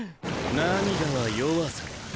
涙は弱さだ。